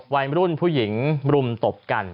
วัยรุ่นผู้หญิงรุมตบกัน